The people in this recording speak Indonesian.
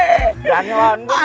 jangan jangan jangan